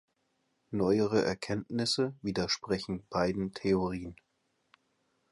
Neuere Erkenntnisse widersprechen beiden Theorien.